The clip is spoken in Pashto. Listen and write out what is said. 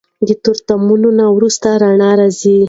د تورتمونو نه وروسته رڼا راځي.